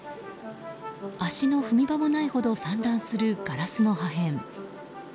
足の踏み場もないほど散乱するガラスの破片。